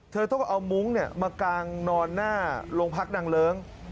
เธอต้องเอามุ้งมากางนอนหน้าโรงพักนางเลิ้ง